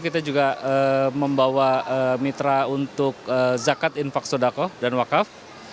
kita juga membawa mitra untuk zakat infak sodakoh dan wakaf